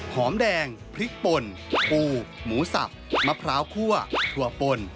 หอมแดงพริกป่นปูหมูสับมะพร้าวคั่วถั่วปน